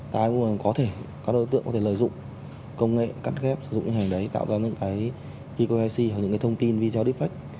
ta cũng có thể các đối tượng có thể lợi dụng công nghệ cắt ghép sử dụng hình ảnh đấy tạo ra những cái eqic hoặc những cái thông tin video defect